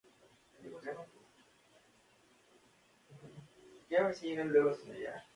Cuando está puro, es de color blanco grisáceo, maleable y dúctil.